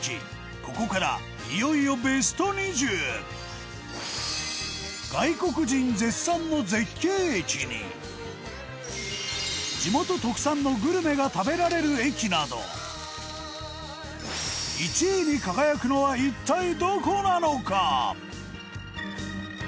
ここから、いよいよベスト２０外国人絶賛の絶景駅に地元特産のグルメが食べられる駅など１位に輝くのは一体、どこなのか？